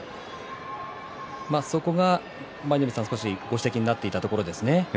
そこが舞の海さんが少しご指摘になっていたところですね。